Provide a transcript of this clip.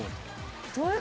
どういう？